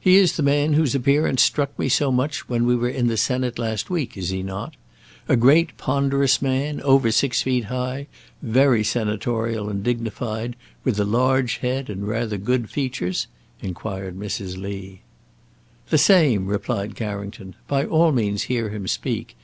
"He is the man whose appearance struck me so much when we were in the Senate last week, is he not? A great, ponderous man, over six feet high, very senatorial and dignified, with a large head and rather good features?" inquired Mrs. Lee. "The same," replied Carrington. "By all means hear him speak.